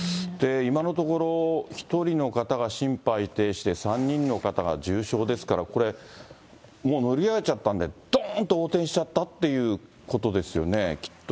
今のところ、１人の方が心肺停止で、３人の方が重傷ですから、もう乗り上げちゃったんで、どーんと横転しちゃったっていうことですよね、きっと、